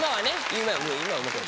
今はもう。